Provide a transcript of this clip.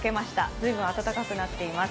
随分暖かくなっています。